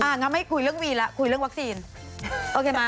งั้นไม่คุยเรื่องวีแล้วคุยเรื่องวัคซีนโอเคไหม